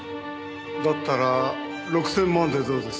だったら６０００万でどうです？